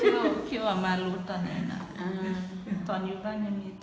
เจ้านายใจดีทุกคนช่วยหมด